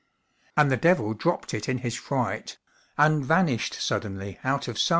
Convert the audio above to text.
And the Devil dropped it in his fright, And vanished suddenly out of sight!